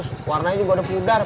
saya dulu bang